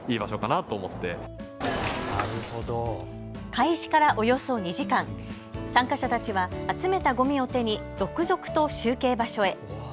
開始からおよそ２時間、参加者たちは集めたごみを手に続々と集計場所へ。